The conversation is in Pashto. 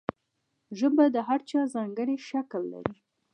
ژبه د هر چا ځانګړی شکل لري.